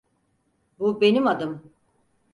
Bu benim adım.